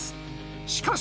しかし！